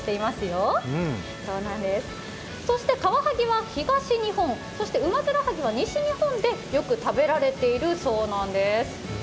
そしてカワハギは東日本、ウマヅラハギは西日本でよく食べられているそうなんです。